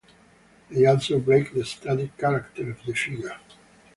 They also break the static character of the figure.